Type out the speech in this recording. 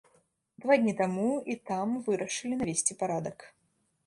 Два дні таму і там вырашылі навесці парадак.